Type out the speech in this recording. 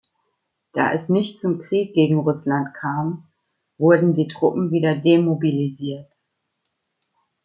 Da es nicht zum Krieg gegen Russland kam, wurden die Truppen wieder demobilisiert.